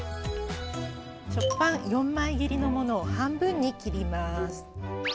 食パン４枚切りのものを半分に切ります。